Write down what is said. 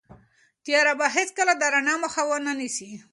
تیاره به هیڅکله د رڼا مخه ونه نیسي.